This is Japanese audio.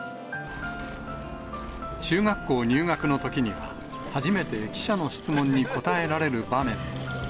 中学校入学のときには、初めて記者の質問に答えられる場面も。